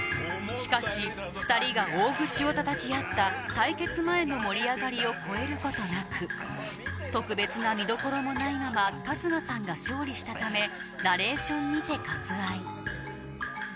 しかし２人が大口をたたき合った対決前の盛り上がりを超えることなく特別な見どころもないまま春日さんが勝利したためナレーションにて割愛